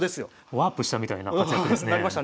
ワープしたみたいな活躍ですね。